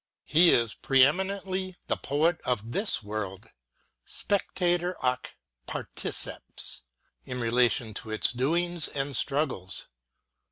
He is pre eminently the poet of this world, spectator ac farticefs, in relation to its doings and struggles.